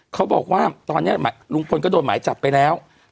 เขาบอกว่าตอนนี้ลุงพลก็โดนหมายจับไปแล้ว